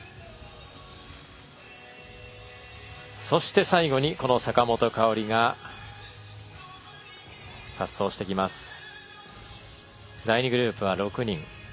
そして、最後に坂本花織が滑走してきます。